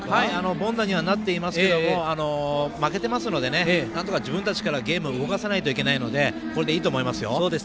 凡打にはなっていますけど負けてますのでなんとか自分たちからゲームを動かさないといけないのでこれでいいと思います。